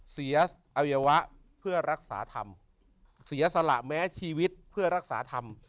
เสียอวัยวะเพื่อรักษาธรรมเสียสละแม้ชีวิตเพื่อรักษาธรรม